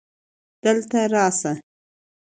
دلته راسه